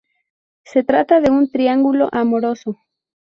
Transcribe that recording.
Se trata de un triángulo amoroso.